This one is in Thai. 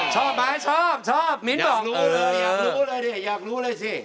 ชอบไหมชอบมิ้นบอก๑ทีอะยังรู้เลย